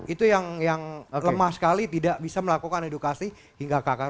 itu yang lemah sekali tidak bisa melakukan edukasi hingga kk